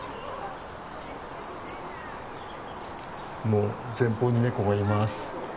もう前方にネコがいます。